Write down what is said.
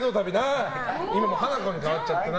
今、ハナコに変わっちゃったな。